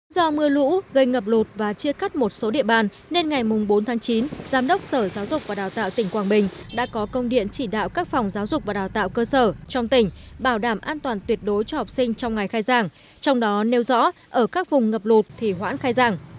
do mưa lũ gây ngập lụt và chia cắt một số địa bàn nên ngày bốn tháng chín giám đốc sở giáo dục và đào tạo tỉnh quảng bình đã có công điện chỉ đạo các phòng giáo dục và đào tạo cơ sở trong tỉnh bảo đảm an toàn tuyệt đối cho học sinh trong ngày khai giảng trong đó nêu rõ ở các vùng ngập lụt thì hoãn khai giảng